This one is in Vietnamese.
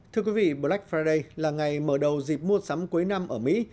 thưa quý vị black friday là ngày mở đầu dịp mua sắm cuối năm ở mỹ